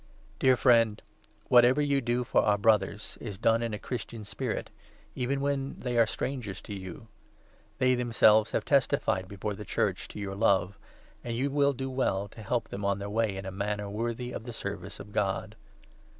Dear friend, whatever you do for our Brothers is done in a 5 Christian spirit — even when they are strangers to you. They 6 themselves have testified before the Church to your love ; and you will do well to help them on their way in a manner worthy of the service of God.